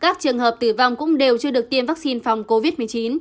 các trường hợp tử vong cũng đều chưa được tiêm vaccine phòng covid một mươi chín